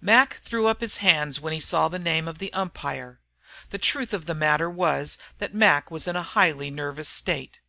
Mac threw up his hands when he saw the name of the umpire. The truth of the matter was that Mac was in a highly nervous state.